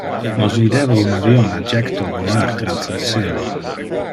Nos videva un avion a jecto volar trans le celo.